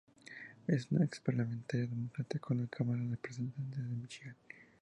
Es una ex-parlamentaria demócrata en la Cámara de Representantes de Míchigan.